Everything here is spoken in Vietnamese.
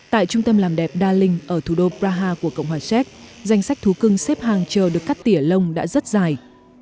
tại trung tâm làm đẹp đa linh ở thủ đô praha của cộng hòa séc danh sách thú cưng xếp hàng chờ được cắt tỉa lông đã rất dài